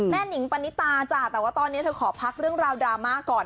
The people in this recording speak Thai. หนิงปณิตาจ้ะแต่ว่าตอนนี้เธอขอพักเรื่องราวดราม่าก่อน